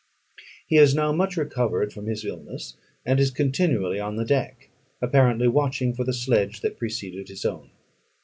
He is now much recovered from his illness, and is continually on the deck, apparently watching for the sledge that preceded his own.